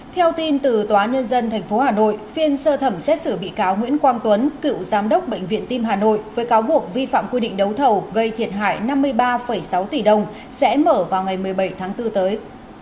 theo tin từ tòa nhân dân tp hà nội phiên sơ thẩm xét xử bị cáo nguyễn quang tuấn cựu giám đốc bệnh viện tim hà nội với cáo buộc vi phạm quy định đấu thầu gây thiệt hại năm mươi ba sáu tỷ đồng sẽ mở vào ngày một mươi bảy tháng bốn tới